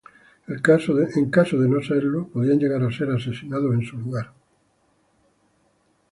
En caso de no serlo, podían llegar a ser asesinados en su lugar.